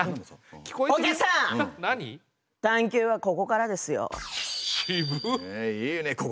ここからですよね。